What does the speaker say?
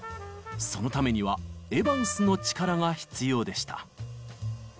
そのためにはエヴァンスの力が必要でした。